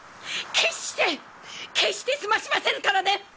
決して決して済ましませぬからね！